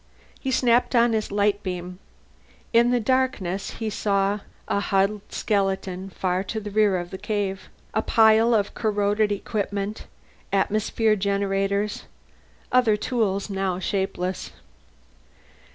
He snapped on his lightbeam. In the darkness, he saw A huddled skeleton, far to the rear of the cave. A pile of corroded equipment; atmosphere generators, other tools now shapeless.